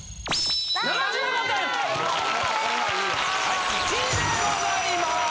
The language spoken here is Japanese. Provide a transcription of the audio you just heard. はい１位でございます。